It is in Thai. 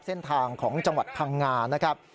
เส้นทางของจังหวัดพังงานะครับ